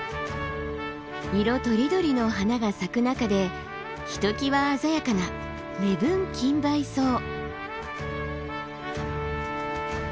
色とりどりの花が咲く中でひときわ鮮やかなレブンキンバイソウ。